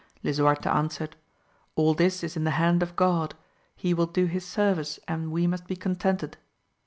Lisuarte answered, all this is in the hand of God, he will do his service, and we must be contented.